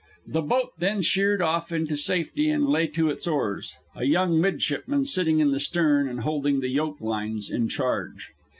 The boat then sheered off into safety and lay to its oars, a young midshipman, sitting in the stern and holding the yoke lines, in charge.